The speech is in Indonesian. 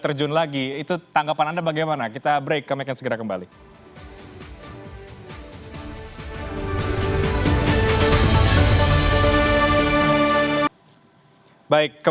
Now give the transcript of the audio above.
tapi yang paling penting tidak bisa memaksakan